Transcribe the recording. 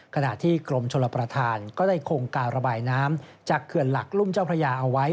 ขณะที่กรมชลประธานก็ได้คงการระบายน้ำจากเขื่อนหลักรุ่มเจ้าพระยาเอาไว้